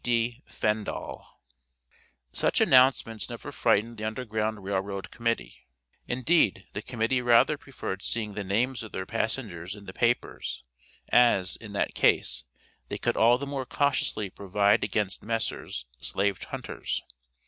T.D. FENDALL. jyl7 6t. Such announcements never frightened the Underground Rail Road Committee; indeed, the Committee rather preferred seeing the names of their passengers in the papers, as, in that case, they could all the more cautiously provide against Messrs. slave hunters.